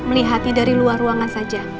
melihatnya dari luar ruangan saja